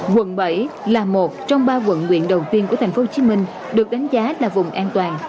quận bảy là một trong ba quận huyện đầu tiên của thành phố hồ chí minh được đánh giá là vùng an toàn